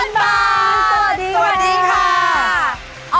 ค่ะ